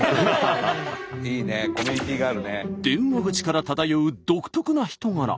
電話口から漂う独特な人柄。